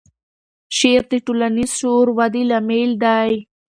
شعر د ټولنیز شعور ودې لامل دی.